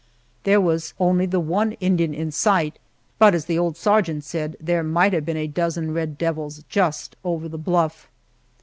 There was only the one Indian in sight, but, as the old sergeant said, "there might have been a dozen red devils just over the bluff!"